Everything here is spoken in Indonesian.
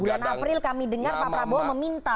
bulan april kami dengar pak prabowo meminta